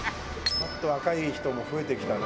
ちょっと若い人も増えてきたね。